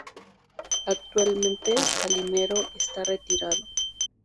Actualmente, Salinero está retirado.